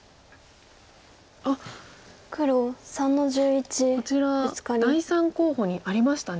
あっこちら第３候補にありましたね。